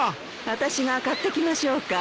あたしが買ってきましょうか？